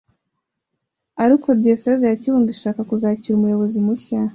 ari uko diyoseze ya Kibungo ishaka kuzakira umuyobozi mushya